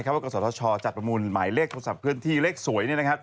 กศธชจัดประมูลหมายเลขโทรศัพท์เคลื่อนที่เลขสวย